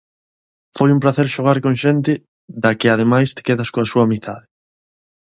Foi un pracer xogar con xente da que ademais te quedas coa súa amizade.